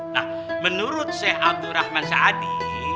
nah menurut sheikh abdurrahman saadi